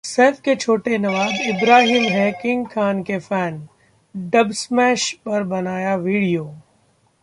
सैफ के छोटे नवाब इब्राहिम हैं किंग खान के फैन, डबस्मैश पर बनाया वीडियो